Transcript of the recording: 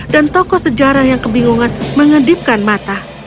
dan tokoh sejarah yang kebingungan mengedipkan mata